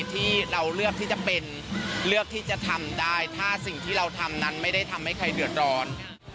ที่เราเลือกที่จะเป็นเลือกที่จะทำได้ถ้าสิ่งที่เราทำนั้นไม่ได้ทำให้ใครเดือดร้อน